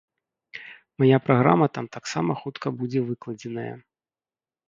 Мая праграма там таксама хутка будзе выкладзеная.